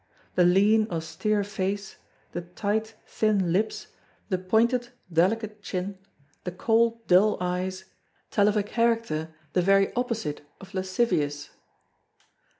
The lean, austere face, the tight thin lips, the pointed delicate chin, the cold dull eyes, tell of a character the very opposite of lascivious."